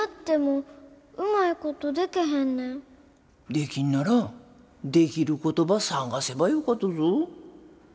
できんならできることば探せばよかとぞ。